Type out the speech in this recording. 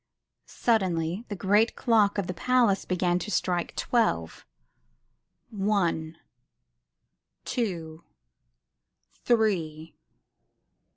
Suddenly the great clock of the palace began to strike twelve. One! Two! Three!